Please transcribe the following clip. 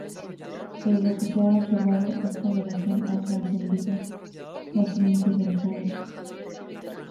Por lo que se ha observado, esta devoción ha trascendido los límites del país.